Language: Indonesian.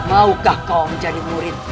maukah kau menjadi muridku